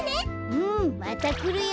うんまたくるよ。